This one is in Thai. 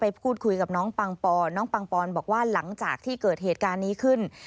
พูดคุยกับน้องปังปอนน้องปังปอนบอกว่าหลังจากที่เกิดเหตุการณ์นี้ขึ้น